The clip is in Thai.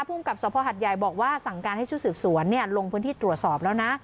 ภูมิกับสภหัดใหญ่บอกว่าสั่งการให้ชุดสืบสวนลงพื้นที่ตรวจสอบแล้วนะ